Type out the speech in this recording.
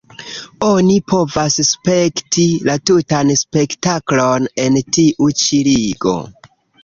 Oni povas spekti la tutan spektaklon en tiu ĉi ligo.